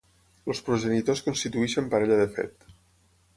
Els progenitors constitueixen parella de fet.